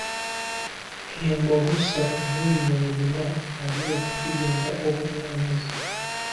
Embogo satu n'ebinyonyi bina nabyo bigenda okunywa amazzi.